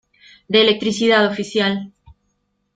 de electricidad, oficial.